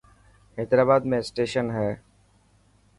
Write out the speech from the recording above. حيدرآباد ۾ اسٽيشن هي.